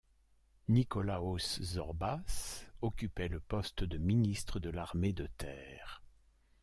Nikólaos Zorbás occupait le poste de Ministre de l'Armée de terre.